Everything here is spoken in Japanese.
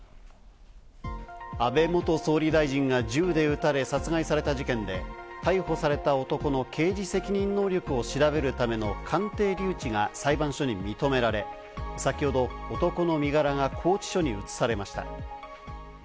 安倍元総理大臣が銃で撃たれ殺害された事件で逮捕された男の刑事責任能力を調べるための鑑定留置が裁判所に認められ、先ほど、男の身柄が拘置所に移されました。